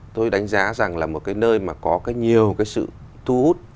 tôi đánh giá rằng là một cái nơi mà có cái nhiều cái sự thu hút